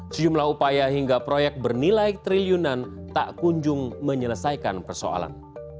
sejumlah upaya hingga proyek bernilai triliunan tak kunjung menyelesaikan persoalan